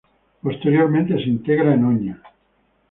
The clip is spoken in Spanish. Posteriormente se integra en Oña.